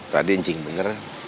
tadi yang cing bener